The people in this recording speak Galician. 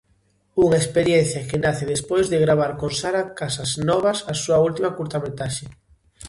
Unha experiencia que nace despois de gravar con Sara casasnovas a súa última curtametraxe.